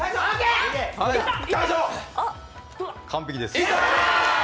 完璧です。